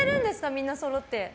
みんなそろって。